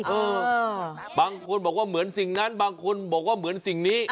เออบางคนบอกว่าเหมือนสิ่งนั้นบางคนบอกว่าเหมือนสิ่งนี้